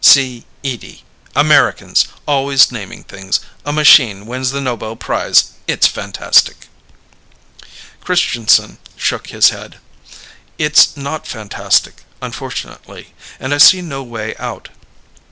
C. Edie! Americans!! always naming things. A machine wins the Nobel Prize. It's fantastic!" Christianson shook his head. "It's not fantastic, unfortunately. And I see no way out.